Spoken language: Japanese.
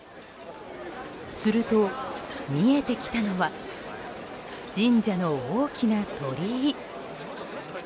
すると、見えてきたのは神社の大きな鳥居。